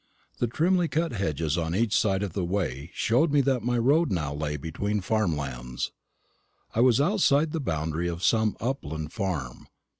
The trimly cut hedges on each side of the way showed me that my road now lay between farm lands. I was outside the boundary of some upland farm.